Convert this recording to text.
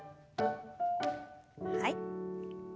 はい。